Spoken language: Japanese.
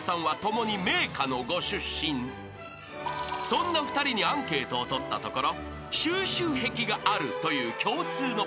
［そんな２人にアンケートを取ったところ収集癖があるという共通のポイントが］